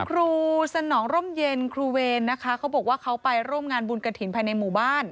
ครูสนองร่มเย็นครูเวรนะคะเขาบอกว่าเขาไปร่วมงานบุญกระถิ่นภายในหมู่บ้าน